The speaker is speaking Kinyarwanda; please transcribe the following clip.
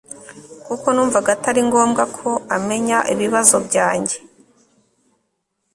kuko numvaga atari ngombwa ko amenya ibibazo byanjye